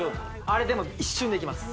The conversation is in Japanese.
あれでも一瞬でいきます